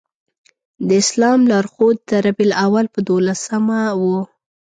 د اسلام لار ښود د ربیع الاول په دولسمه و.